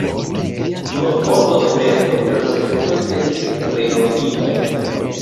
Post morto de Petro persekutoj estis renovigitaj.